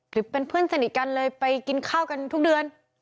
หรือเป็นเพื่อนสนิทกันเลยไปกินข้าวกันทุกเดือน